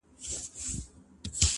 • ډنبار ډېر نېستمن وو ,